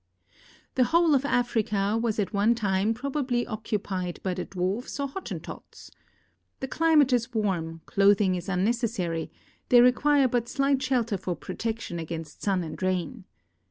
The whole of Africa was at one time probably occupied by the Dwarfs or Hottentots. The climate is warm, clothing is unnec essary; they require but slight shelter for protection against sun and rain.